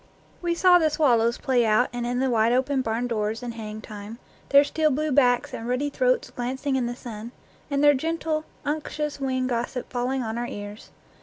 We saw the swallows play out and in the wide open barn doors in haying time, their steel NEW GLEANINGS IN OLD FIELDS blue backs and ruddy throats glancing in the sun, and their gentle, unctuous wing gossip falling on our ears.